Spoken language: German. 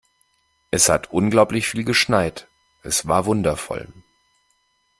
Es hat unglaublich viel geschneit. Es war wundervoll.